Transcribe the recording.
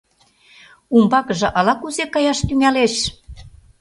Умбакыже ала-кузе каяш тӱҥалеш.